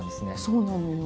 そうなのよ